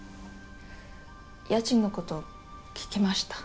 家賃のこと聞きました。